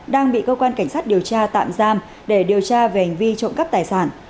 đang bị cơ quan cảnh sát điều tra tạm giam để điều tra về hành vi trộm cắp tài sản